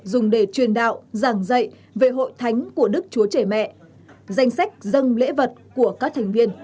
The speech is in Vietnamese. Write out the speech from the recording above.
dùng để truyền đạo giảng dạy về hội thánh của đức chúa trẻ mẹ danh sách dân lễ vật của các thành viên